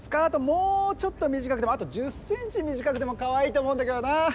もうちょっと短くてもあと１０センチ短くてもかわいいと思うんだけどな。